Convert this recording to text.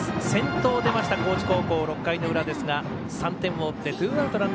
先頭出ました、高知高校６回の裏ですが３点を追ってツーアウト、